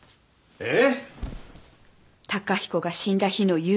えっ？